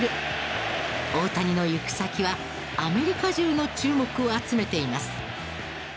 大谷の行く先はアメリカ中の注目を集めています。